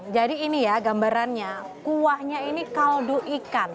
ini ya gambarannya kuahnya ini kaldu ikan